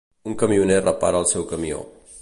Un camioner repara el seu camió.